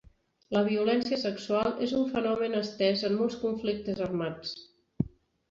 La violència sexual és un fenomen estès en molts conflictes armats.